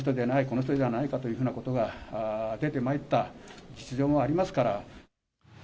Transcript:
この人じゃないかというようなことが出てまいった実情もありますから。